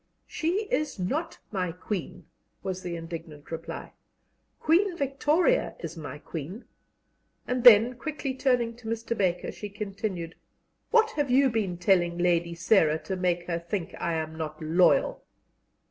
"She is not my Queen," was the indignant reply; "Queen Victoria is my Queen." And then, quickly turning to Mr. Baker, she continued: "What have you been telling Lady Sarah to make her think I am not loyal?"